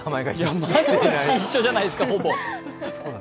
毎日一緒じゃないですか、ほぼ。